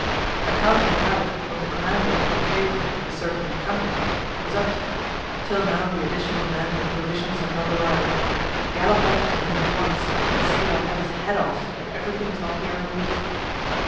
I can't make out what the commander at Kórchevo—a certain Khandrikóv—is up to; till now the additional men and provisions have not arrived. Gallop off to him at once and say I'll have his head off if everything is not here in a week.